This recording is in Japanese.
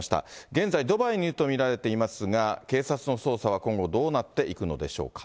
現在、ドバイにいると見られていますが、警察の捜査は今後、どうなっていくのでしょうか。